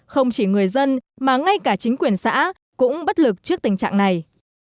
không chỉ người dân mà ngay cả chính quyền xã cũng bất lực trước tình trạng này